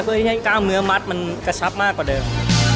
เพื่อที่ให้กล้ามเนื้อมัดมันกระชับมากกว่าเดิม